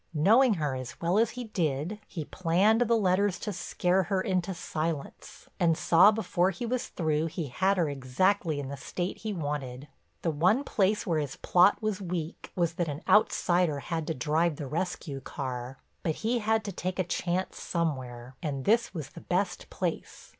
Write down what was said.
Knowing her as well as he did, he planned the letters to scare her into silence, and saw before he was through he had her exactly in the state he wanted. The one place where his plot was weak was that an outsider had to drive the rescue car. But he had to take a chance somewhere, and this was the best place.